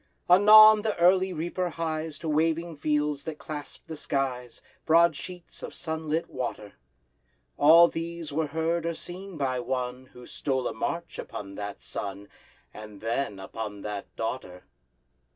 Anon the early reaper hies To waving fields that clasp the skies, Broad sheets of sunlit water. All these were heard or seen by one Who stole a march upon that sun, And then—upon that Daughter!